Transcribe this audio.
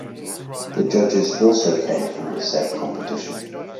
The judges also came from the said competition.